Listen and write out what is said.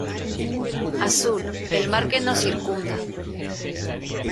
Azul: el mar que nos circunda.